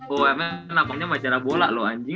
umm lapangannya macara bola loh anjing